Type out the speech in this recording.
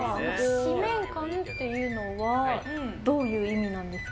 試麺館というのはどういう意味なんですか？